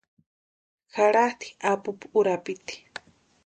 Jaratʼi apupu urapiti.